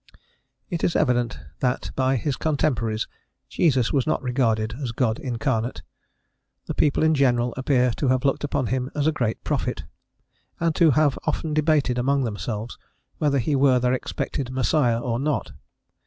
It is evident that by his contemporaries Jesus was not regarded as God incarnate. The people in general appear to have looked upon him as a great prophet, and to have often debated among themselves whether he were their expected Messiah or not.